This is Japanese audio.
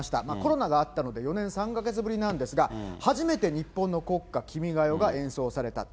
コロナがあったので、４年４か月ぶりなんですが、初めて日本の国歌、君が代が演奏された。